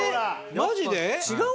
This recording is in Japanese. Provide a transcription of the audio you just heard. マジで？